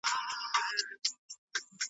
يو گړى نه يم بېغمه له دامونو .